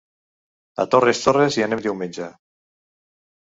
A Torres Torres hi anem diumenge.